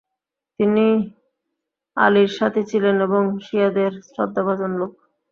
তিনি 'আলী'র সাথী ছিলেন এবং শিয়াদের শ্রদ্ধাভাজন লোক।